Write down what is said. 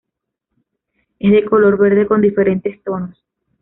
Es de color verde con diferentes tonos.